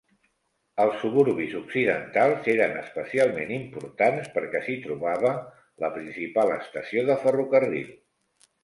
Els suburbis occidentals eren especialment importants perquè s'hi trobava la principal estació de ferrocarril.